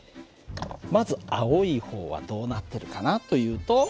まず青い方はどうなってるかなというと。